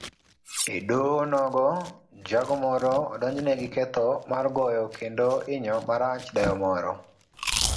Edoho onogo, jago moro odonjne giketho mar goyo kendo inyo marach dayo moro